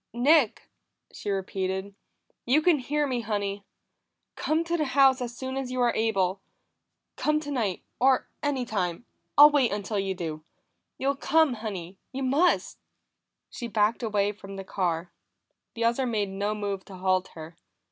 "Nick!" she repeated. "You can hear me, Honey. Come to the house as soon as you are able. Come tonight, or any time; I'll wait until you do. You'll come, Honey; you must!" She backed away from the car; the other made no move to halt her.